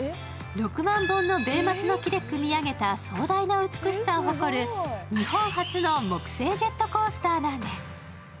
６万本の米松の木でくみ上げた、壮大な美しさを誇る日本初の木製ジェットコースターなんです。